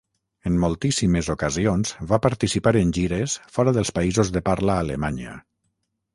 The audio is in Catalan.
En moltíssimes ocasions va participar en gires fora dels països de parla alemanya.